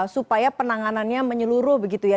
supaya penanganannya menyeluruh begitu ya